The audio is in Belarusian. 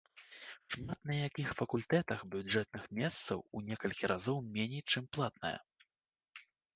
Шмат на якіх факультэтах бюджэтных месцаў у некалькі разоў меней чым платнае.